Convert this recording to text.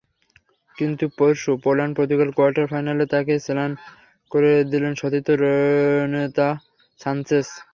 কিন্তু পরশু Poland Portugal quarter ফাইনালে তাঁকে ম্লান করে দিলেন সতীর্থ রেনাতো সানচেস।